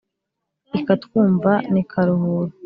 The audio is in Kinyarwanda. Ikatwumva n'i Karuhura.